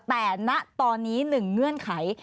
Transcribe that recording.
แต่ณตอนนี้๑เงื่อนไข